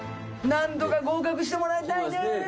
何とか合格してもらいたいね！